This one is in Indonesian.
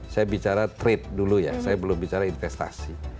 saya bicara trade dulu ya saya belum bicara investasi